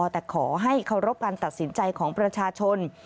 แต่ขอให้เคารพการตัดสินใจของประชาชน